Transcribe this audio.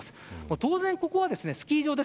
当然、ここはスキー場です。